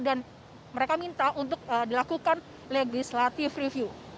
dan mereka minta untuk dilakukan legislative review